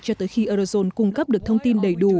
cho tới khi eurozone cung cấp được thông tin đầy đủ